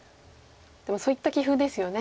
でもそういった棋風ですよね。